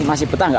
masih betah nggak